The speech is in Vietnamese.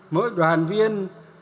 mỗi đoàn viên